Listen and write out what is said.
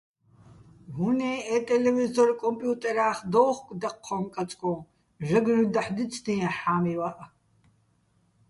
უ̂ნე ე ტელევიზორ-კომპიუტერა́ხ დოუხკო̆ დაჴჴოჼ-კაწკოჼ, ჟაგნუ́ჲ დაჰ̦ დიცდიეჼ ჰ̦ა́მივაჸ.